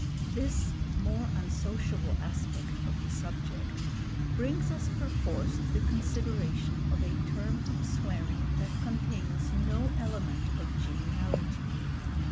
This more unsociable aspect of the subject brings us perforce to the consideration of a term of swearing that contains no element of geniality.